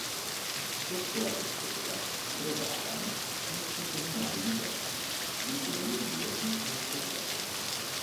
Sotto la tettoia trovavano posto sei binari di testa, di cui due senza marciapiede.